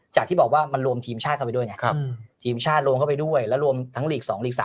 ที่บอกว่ามันรวมทีมชาติเข้าไปด้วยไงทีมชาติรวมเข้าไปด้วยแล้วรวมทั้งหลีก๒ลีก๓